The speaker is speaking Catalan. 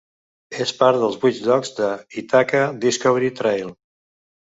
És part dels vuit llocs de l'Ithaca Discovery Trail.